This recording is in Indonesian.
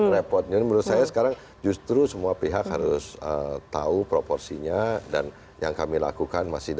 repotnya menurut saya sekarang justru semua pihak harus tahu proporsinya dan yang kami lakukan masih